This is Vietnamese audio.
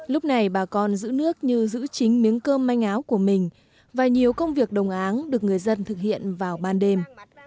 lúc này bà con giữ nước như giữ chính miếng cơm manh áo của mình và nhiều công việc đồng áng được người dân thực hiện vào ban đêm